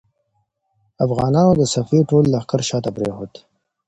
افغانانو د صفوي ټول لښکر شا ته پرېښود.